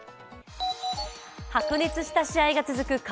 白熱した試合が続く